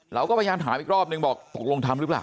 เราก็พยายามถามอีกรอบนึงบอกตกลงทำหรือเปล่า